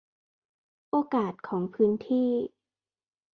โอกาสของพื้นที่